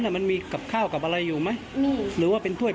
วันนี้ทีมข่าวไทยรัฐทีวีไปสอบถามเพิ่มเติม